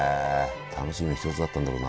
楽しみの一つだったんだろうな。